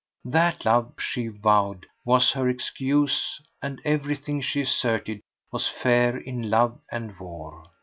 That love, she vowed, was her excuse, and everything, she asserted, was fair in love and war.